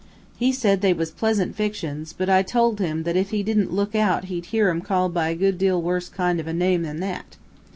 He said they was pleasant fictions, but I told him that if he didn't look out he'd hear 'em called by a good deal of a worse kind of a name than that.